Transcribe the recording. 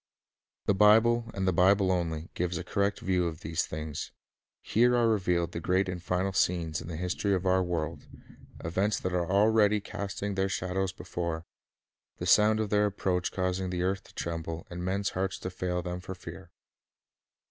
The Bible, and the Bible only, gives a correct view of these things. Here are revealed the great final The Final scenes in the history of our world, events that already Scenes . r are casting their shadows before, the sound of their approach causing the earth to tremble, and men's hearts to fail them for fear.